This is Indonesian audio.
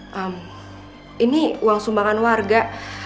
hmm ini uang sumbangan warga